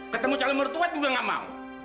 ketemu calon mertua juga gak mau